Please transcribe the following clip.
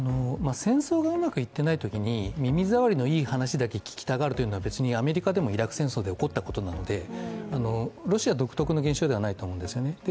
戦争がうまくいっていないときに耳障りのいい話だけを聞きたいというのは別にアメリカでもイラク戦争で起こったことなので、ロシア独特の現象じゃないと思うんですね。